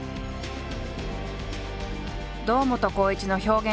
堂本光一の表現